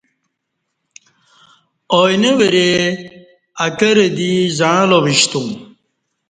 آیینہ ورے اکرہ دی زعݩلہ وشتو م